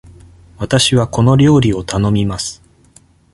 わたしはこの料理を頼みます。